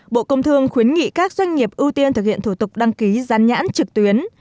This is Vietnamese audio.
bộ công thương khuyến nghị các doanh nghiệp ưu tiên thực hiện thủ tục đăng ký gian nhãn trực tuyến